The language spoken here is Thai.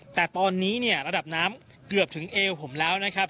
แต่ตอนนี้เนี่ยระดับน้ำเกือบถึงเอวผมแล้วนะครับ